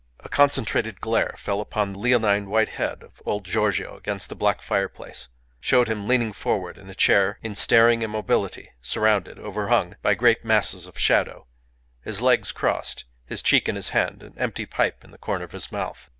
A concentrated glare fell upon the leonine white head of old Giorgio against the black fire place showed him leaning forward in a chair in staring immobility, surrounded, overhung, by great masses of shadow, his legs crossed, his cheek in his hand, an empty pipe in the corner of his mouth.